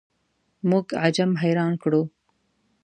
موږ عجم حیران کړو.